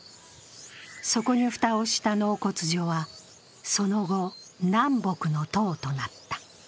そこに蓋をした納骨所は、その後、南北の塔となった。